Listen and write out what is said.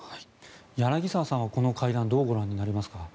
柳澤さんは、この会談をどうご覧になりますか。